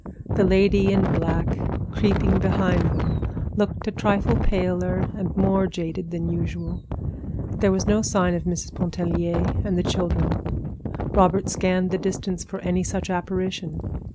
The lady in black, creeping behind them, looked a trifle paler and more jaded than usual. There was no sign of Mrs. Pontellier and the children. Robert scanned the distance for any such apparition.